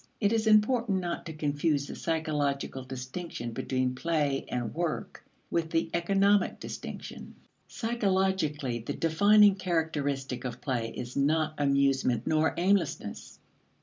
It is important not to confuse the psychological distinction between play and work with the economic distinction. Psychologically, the defining characteristic of play is not amusement nor aimlessness.